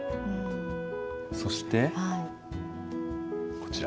そしてこちら。